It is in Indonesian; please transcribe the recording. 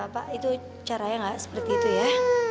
pak itu caranya nggak seperti itu ya